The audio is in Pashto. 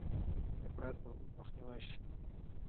افراط به مخنیوی شي.